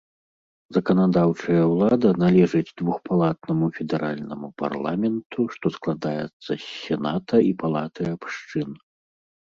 Заканадаўчая ўлада належыць двухпалатнаму федэральнаму парламенту, што складаецца з сената і палаты абшчын.